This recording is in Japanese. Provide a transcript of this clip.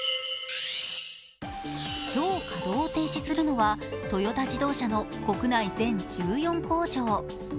今日、稼働を停止するのはトヨタ自動車の国内全１４工場。